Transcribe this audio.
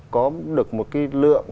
có được một cái lượng